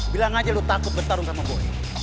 bilang aja lo takut bertarung sama boe